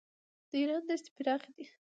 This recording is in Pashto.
د ایران دښتې پراخې دي.